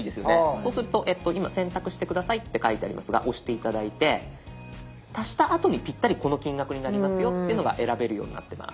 そうすると今「選択してください」って書いてありますが押して頂いて足したあとにぴったりこの金額になりますよっていうのが選べるようになってます。